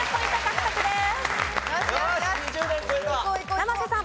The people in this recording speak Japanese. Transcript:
生瀬さん。